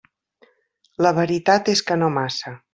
La veritat és que no massa.